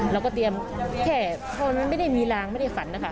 แล้วก็เตรียมแค่เพราะว่าไม่ได้มีรางไม่ได้ฝันนะคะ